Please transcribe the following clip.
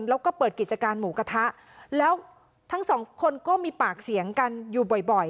แล้วก็เปิดกิจการหมูกระทะแล้วทั้งสองคนก็มีปากเสียงกันอยู่บ่อยบ่อย